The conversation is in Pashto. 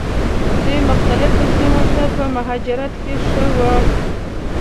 دوی مختلفو سیمو ته په مهاجرت کې ښه وو.